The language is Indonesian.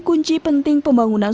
kunci penting pembangunan